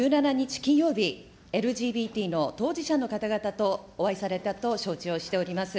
金曜日、ＬＧＢＴの当事者の方々とお会いされたと承知をしております。